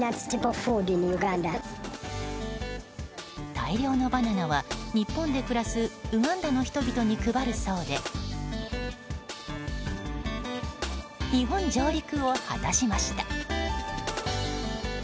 大量のバナナは日本で暮らすウガンダの人々に配るそうで日本上陸を果たしました。